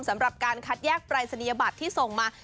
สำหรับการคัดแยกปรายศนียบัตรที่ส่งมา